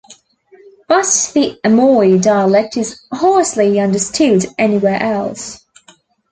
But the Amoy dialect is hardly understood anywhere else.